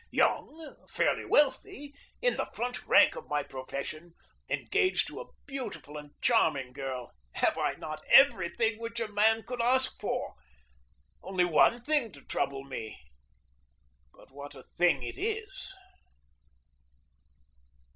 Young, fairly wealthy, in the front rank of my profession, engaged to a beautiful and charming girl have I not every thing which a man could ask for? Only one thing to trouble me, but what a thing it is!